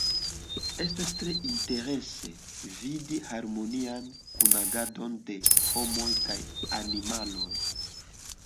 Estas tre interese vidi harmonian kunagadon de homoj kaj animaloj.